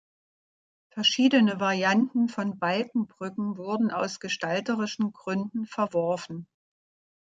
Verschiedene Varianten von Balkenbrücken wurden aus gestalterischen Gründen verworfen.